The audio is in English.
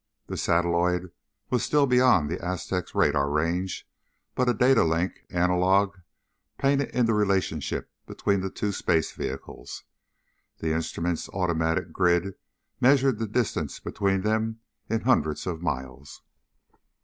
The satelloid was still beyond the Aztec's radar range but a data link analog painted in the relationship between the two space vehicles. The instrument's automatic grid measured the distance between them in hundreds of miles.